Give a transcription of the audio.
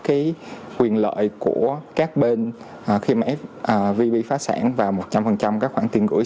cái quyền lợi của các bên khi mà vp phá sản và một trăm linh các khoản tiền gửi